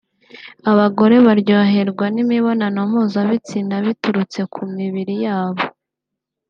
Abagore baryoherwa n’imibonano mpuzabitsina biturutse ku mibiri yabo